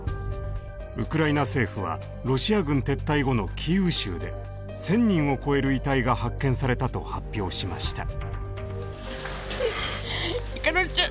ウクライナ政府はロシア軍撤退後のキーウ州で１，０００人を超える遺体が発見されたと発表しました。